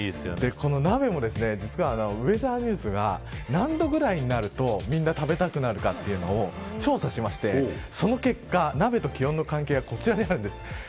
鍋もウェザーニュースが何度ぐらいになると、みんな食べたくなるかというのを調査して、その結果鍋と気温の関係がこちらです。